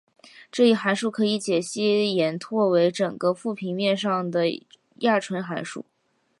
这一函数可以解析延拓为整个复平面上的亚纯函数。